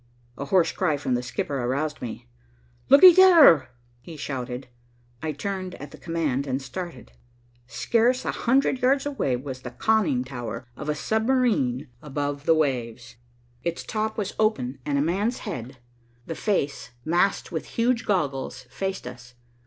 A hoarse cry from the skipper aroused me. "Lookee there!" he shouted. I turned at the command and started. Scarce a hundred yards away was the conning tower of a submarine above the waves. Its top was open and a man's head, the face masked with huge goggles, faced us.